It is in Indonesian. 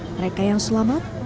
mereka yang selamat